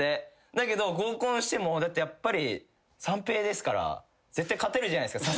だけど合コンしてもだってやっぱり三平ですから絶対勝てるじゃないですか。